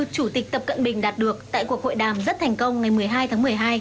chủ tịch tập cận bình đạt được tại cuộc hội đàm rất thành công ngày một mươi hai tháng một mươi hai